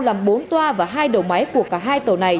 làm bốn toa và hai đầu máy của cả hai tàu này